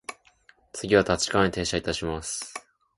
次は立川に停車いたします。